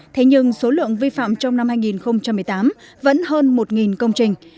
thế nhưng số lượng vi phạm trong năm hai nghìn một mươi tám vẫn hơn một công trình